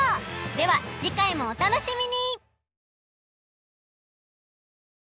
では次回もお楽しみに！